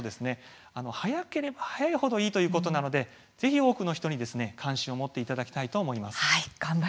早ければ早いほどいいということなのでぜひ多くの人に関心を持っていただきたいと思います。